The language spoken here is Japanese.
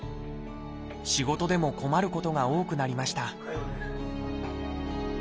仕事でも困ることが多くなりました